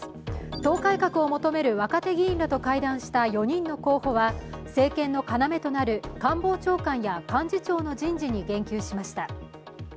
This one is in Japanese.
党改革を求める若手議員らと会談した４人の候補は政権の要となる官房長官や幹事長の人事に言及しました。